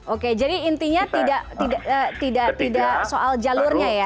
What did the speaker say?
oke jadi intinya tidak soal jalurnya ya